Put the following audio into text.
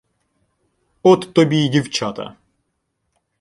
"От тобі й дівчата!"